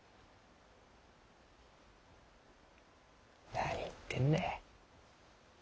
何言ってんだい。